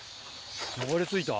流れ着いた？